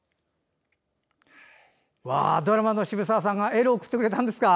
ドラマの渋沢さんがエールを送ってくれたんですか。